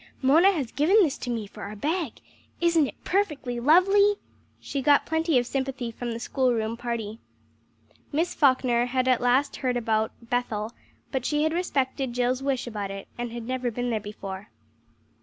"Mona has given this to me for our bag! Isn't it perfectly lovely." She got plenty of sympathy from the school room party. Miss Falkner had heard at last about "Bethel," but she had respected Jill's wish about it, and had never been there.